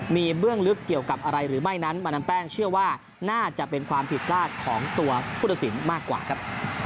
มีเบื้องลึกเกี่ยวกับอะไรหรือไม่นั้นมาดามแป้งเชื่อว่าน่าจะเป็นความผิดพลาดของตัวผู้ตัดสินมากกว่าครับ